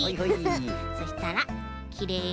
そしたらきれいにふく。